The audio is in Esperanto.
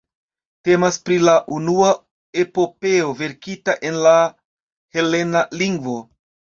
Temas pri la unua epopeo verkita en la helena lingvo.